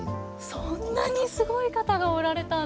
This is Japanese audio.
そんなにすごい方がおられたんですね。